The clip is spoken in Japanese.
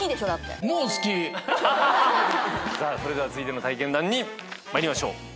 それでは続いての体験談に参りましょう。